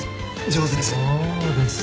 上手です。